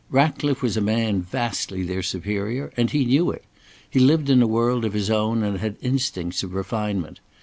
Ratcliffe was a man vastly their superior, and he knew it. He lived in a world of his own and had instincts of refinement.